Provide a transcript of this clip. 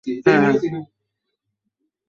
আপনিই শেষ ভরসা!